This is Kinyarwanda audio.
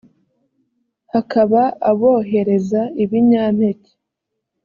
hakaba abohereza ibinyampeke